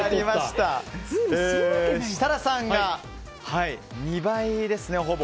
設楽さんが２倍ですねほぼ。